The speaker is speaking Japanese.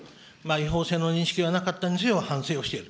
違法性の認識はなかったにせよ、反省をしている。